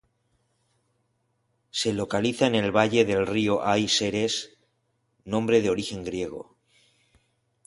Se localiza en el valle del río Ay Seres, nombre de origen griego.